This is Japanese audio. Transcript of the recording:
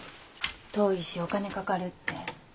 遠いしお金掛かるって。